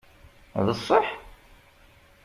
D ṣṣeḥ?